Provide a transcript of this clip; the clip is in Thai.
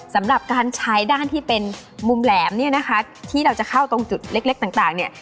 สำหรับการใช้ด้านที่เป็นมุมแหลมเนี่ยนะคะที่เราจะเข้าตรงจุดเล็กต่างเนี่ย